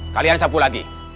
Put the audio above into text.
kalian sapu lagi